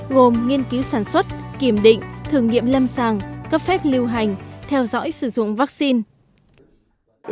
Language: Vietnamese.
gồm nghiên cứu sản xuất kiểm định thử nghiệm lâm sàng cấp phép lưu hành theo dõi sử dụng vaccine